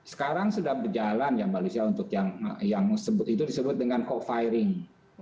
sekarang sudah berjalan ya mbak lucia untuk yang itu disebut dengan co firing